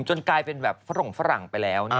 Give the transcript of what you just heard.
กลายเป็นแบบฝรงฝรั่งไปแล้ว